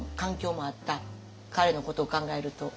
彼のことを考えると。